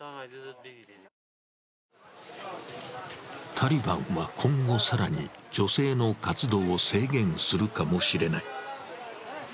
タリバンは今後更に女性の活動を制限するかもしれない。